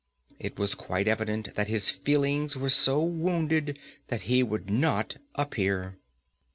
It was quite evident that his feelings were so wounded that he would not appear.